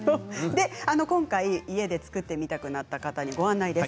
今回、家で作ってみたくなった方にご案内です。